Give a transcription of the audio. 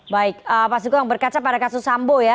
baik pak suko yang berkaca pada kasus sambo ya